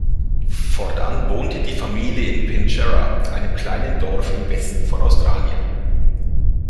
Fortan wohnte die Familie in Pinjarra, einem kleinen Dorf im Westen von Australien.